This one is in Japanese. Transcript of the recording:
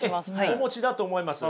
お持ちだと思います。